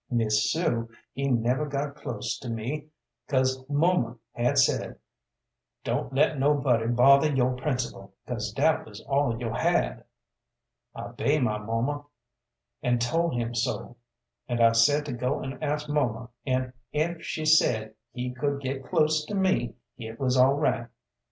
Miss Sue, he never got close to me 'cause muma had sed "Don't let no body bother yo' principle," 'cause dat wuz all yo' had. I 'bey my muma, an' tol' him so, and I said to go an' ask muma an' ef she sed he could get close to me hit was alright.